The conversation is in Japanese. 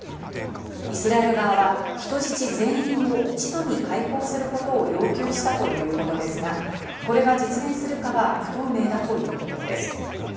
イスラエル側は人質全員を一度に解放することを要求したということですが、これが実現するかは不透明だということです。